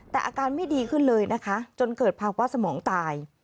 แต่อาการไม่ดีขึ้นเลยนะคะจนเกิดภาวะสมองตาย